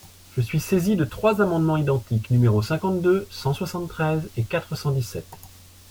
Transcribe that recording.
Je suis saisi de trois amendements identiques, numéros cinquante-deux, cent soixante-treize et quatre cent dix-sept.